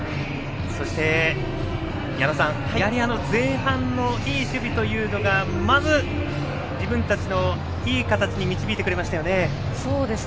そして、矢野さんやはり前半のいい守備というのがまず自分たちのいい形に導いてくれましたよね。